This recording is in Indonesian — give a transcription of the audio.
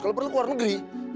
kalau perlu ke luar negeri